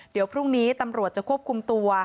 เดี๋ยวพรุ่งนี้ตำรวจจะควบคุมตัว